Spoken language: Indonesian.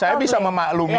saya bisa memaklumi itu